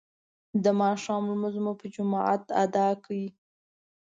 د ماښام لمونځ مو په جماعت ادا کړ.